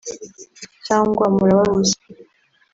cyangwa murababuza